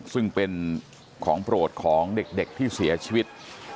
ซึ่งเป็นของโปรดของเด็กที่เสียชีวิต